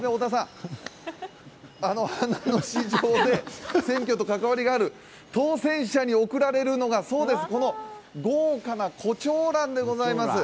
花の市場で選挙と関わりがある、当選者に贈られるのがそうです、この豪華なこちょうらんでございます。